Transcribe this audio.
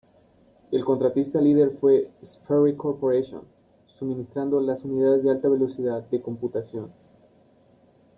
El contratista líder fue Sperry Corporation suministrando las unidades de alta velocidad de computación.